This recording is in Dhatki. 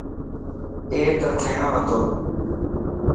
اي ته ٿيهڻو هتو.